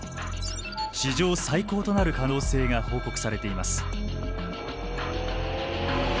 史上最高となる可能性が報告されています。